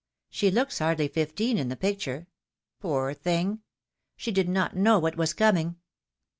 She looks hardly fifteen in the picture. Poor thing! She did not know what was coming."